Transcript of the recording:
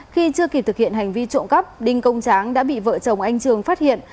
khi chưa kịp thực hiện hành vi trộm cắp đinh công tráng đã bị vợ chồng anh trường phát hiện